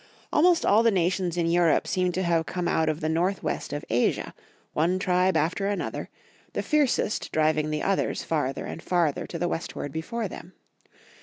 Almost all the nations in Europe seem to have come out of the north west of Asia, one tribe after another, the fiercest driving the others farther and farther to the westward before them.